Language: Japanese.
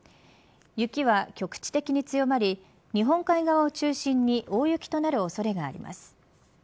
雪は局地的に強まり日本海側を中心に大雪となる恐れがあります。